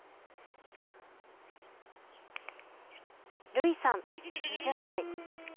るいさん２０歳。